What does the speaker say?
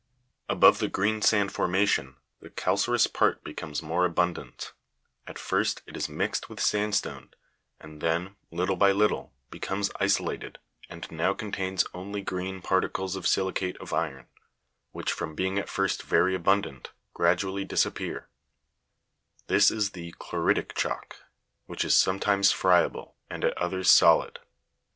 12. Above the green sand formation, the calcareous part be comes more abundant ; at first it is mixed with sandstone, and then, little by little, becomes isolated, and now contains only green parti cles of si'licate of iron, which, from being at first very abundant, gradually disappear : this is the chloritic chalk, which is some times friable, and at others solid.